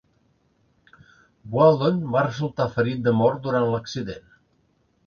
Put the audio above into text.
Wheldon va resultar ferit de mort durant l'accident.